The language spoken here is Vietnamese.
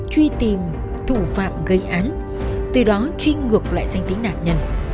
truy tìm thủ phạm gây án từ đó truy ngược lại danh tính nạn nhân